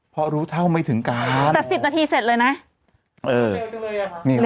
เพราะรู้เท่าไม่ถึงกันแต่สิบนาทีเสร็จเลยนะเออเร็วเลยอ่ะครับ